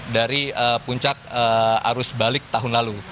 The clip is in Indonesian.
dari puncak arus balik tahun lalu